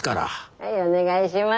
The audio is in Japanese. ☎はいお願いします。